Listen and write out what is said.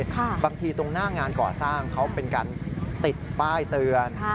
บางทีตรงหน้างานก่อสร้างเขาเป็นการติดป้ายเตือน